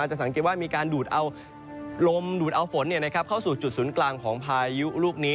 จะสังเกตว่ามีการดูดเอาลมดูดเอาฝนเข้าสู่จุดศูนย์กลางของพายุลูกนี้